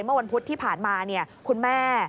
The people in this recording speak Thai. เมื่อวันพุธที่ผ่านมาคุณแม่